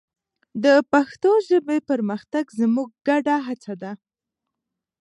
د پښتو ژبې پرمختګ زموږ ګډه هڅه ده.